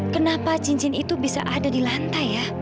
kenapa cincin itu bisa ada di lantai ya